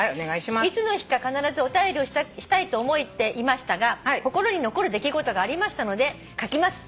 「いつの日か必ずお便りをしたいと思っていましたが心に残る出来事がありましたので書きます」